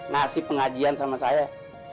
nasi pengajian sama saya